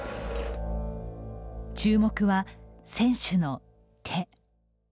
注目は選手の「手」。